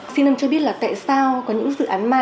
xin ông cho biết là tại sao có những dự án ma